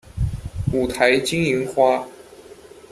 五台金银花